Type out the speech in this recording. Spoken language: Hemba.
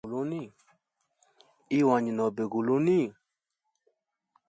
Iwanyi nobe guluni?